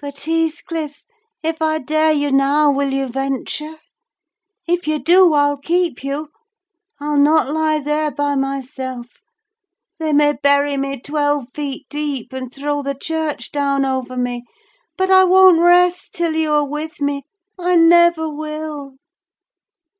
But, Heathcliff, if I dare you now, will you venture? If you do, I'll keep you. I'll not lie there by myself: they may bury me twelve feet deep, and throw the church down over me, but I won't rest till you are with me. I never will!"